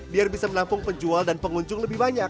biar bisa menampung penjual dan pengunjung lebih banyak